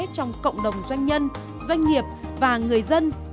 trong cộng đồng doanh nhân doanh nghiệp và người dân